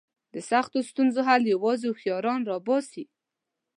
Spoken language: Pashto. د سختو ستونزو حل یوازې هوښیاران را باسي.